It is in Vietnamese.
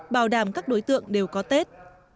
bảo đảm các đối tượng đều có tết